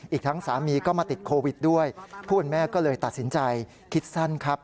อีกทั้งสามีก็มาติดโควิดด้วยผู้เป็นแม่ก็เลยตัดสินใจคิดสั้นครับ